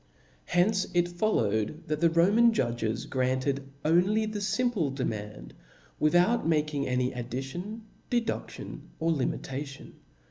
^vi^ Hence it followed, that the Roman judges grant ed only the fimplc demand, without making any addition, dedudtion, or limitation.